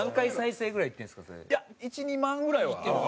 １２万ぐらいは。